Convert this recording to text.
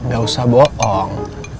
gak usah bohong